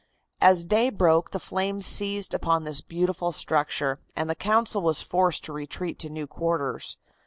As day broke the flames seized upon this beautiful structure, and the Council was forced to retreat to new quarters.